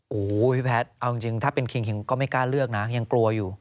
โอ้โหพี่แพทย์เอาจริงถ้าเป็นคิงก็ไม่กล้าเลือกนะยังกลัวอยู่